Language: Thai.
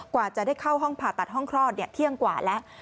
กว่าจะได้เข้าห้องผ่าตัดห้องคลอดเที่ยงกว่าแล้ว